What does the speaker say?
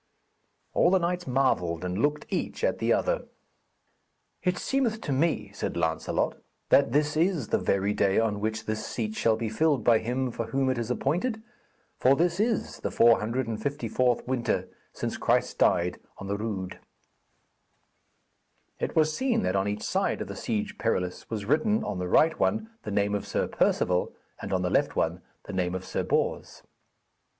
All the knights marvelled and looked each at the other. 'It seemeth me,' said Lancelot, 'that this is the very day on which this seat shall be filled by him for whom it is appointed, for this is the four hundred and fifty fourth winter since Christ died on the rood.' It was seen that on each side of the Siege Perilous was written, on the right one, the name of Sir Perceval, and on the left one, the name of Sir Bors.